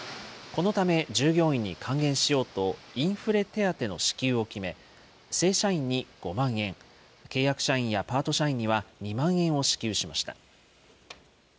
このため、従業員に還元しようと、インフレ手当の支給を決め、正社員に５万円、契約社員やパート社員には２万円を支給しました。